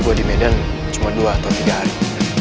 bahwa di medan cuma dua atau tiga hari